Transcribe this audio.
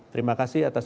terima kasih atas